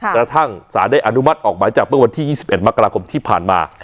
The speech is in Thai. กระทั่งศาสน์ได้อนุมัติออกหมายจับเมื่อวันที่ยี่สิบเอ็ดมักราคมที่ผ่านมาค่ะ